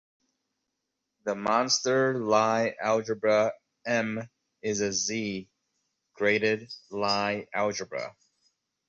The monster Lie algebra "m" is a "Z"-graded Lie algebra.